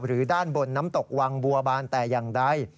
ด้านบนน้ำตกวังบัวบานแต่อย่างใด